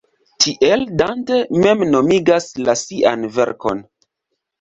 Tiel Dante mem nomigas la sian verkon.